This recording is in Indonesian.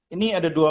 ini ada dua